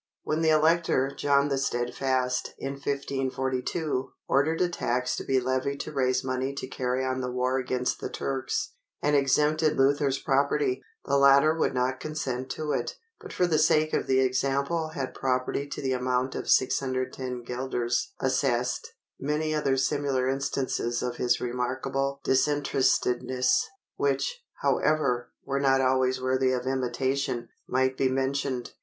When the Elector, John the Steadfast, in 1542, ordered a tax to be levied to raise money to carry on the war against the Turks, and exempted Luther's property, the latter would not consent to it, but for the sake of the example had property to the amount of 610 guilders assessed. Many other similar instances of his remarkable disinterestedness, which, however, were not always worthy of imitation, might be mentioned.